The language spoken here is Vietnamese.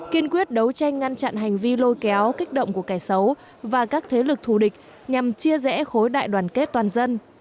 kiên quyết đấu tranh ngăn chặn hành vi lôi kéo kích động của kẻ xấu và các thế lực thù địch nhằm chia rẽ khối đại đoàn kết toàn dân